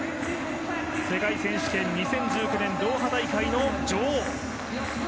世界選手権２０１９年ドーハ大会の女王。